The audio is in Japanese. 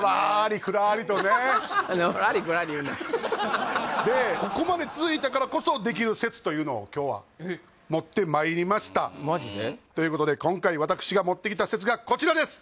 りくらーりとねのらりくらり言うなでここまで続いたからこそできる説というのを今日は持ってまいりましたマジで？ということで今回私が持ってきた説がこちらです